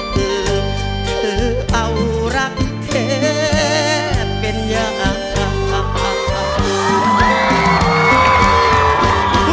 คือเอารักแท้เป็นอย่าง